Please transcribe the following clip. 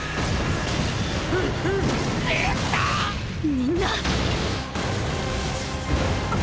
みんな。